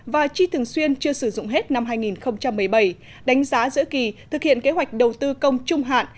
và chi thường xuyên chưa sử dụng hết năm hai nghìn một mươi bảy đánh giá giữa kỳ thực hiện kế hoạch đầu tư công trung hạn